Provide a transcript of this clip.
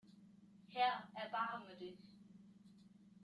Herr, erbarme dich!